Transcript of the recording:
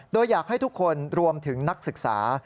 โดยอยากให้ทุกคนรวมถึงนักศึกษา